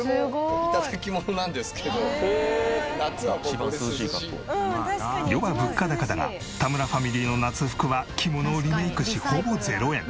「一番涼しい格好」世は物価高だが田村ファミリーの夏服は着物をリメイクしほぼ０円。